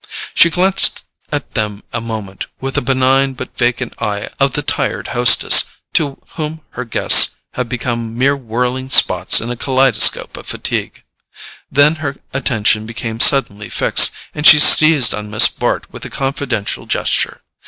She glanced at them a moment with the benign but vacant eye of the tired hostess, to whom her guests have become mere whirling spots in a kaleidoscope of fatigue; then her attention became suddenly fixed, and she seized on Miss Bart with a confidential gesture.